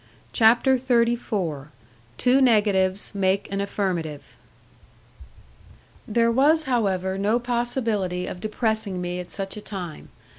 CHAPTER XXXIV TWO NEGATIVES MAKE AN AFFIRMATIVE There was, however, no possibility of depressing me at such a time.